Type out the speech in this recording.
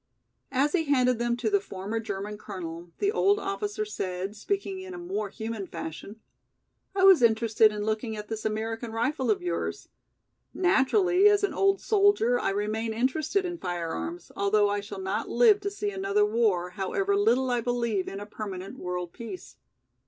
As he handed them to the former German Colonel, the old officer said, speaking in a more human fashion, "I was interested in looking at this American rifle of yours. Naturally as an old soldier I remain interested in firearms, although I shall not live to see another war, however little I believe in a permanent world peace.